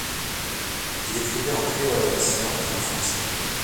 Il écrivait en créole haïtien et en français.